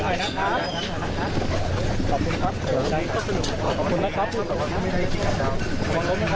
คือรัฐบาลสะพร้อมให้ตลกการสุดสุดธื้อเมื่อมาที่พี่ศาลชาติก็จะจบไว้